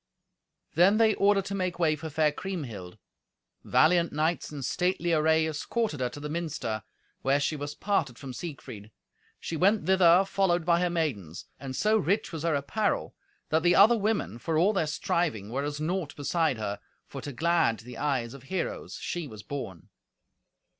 Then they ordered to make way for fair Kriemhild. Valiant knights in stately array escorted her to the minster, where she was parted from Siegfried. She went thither followed by her maidens; and so rich was her apparel that the other women, for all their striving, were as naught beside her, for to glad the eyes of heroes she was born.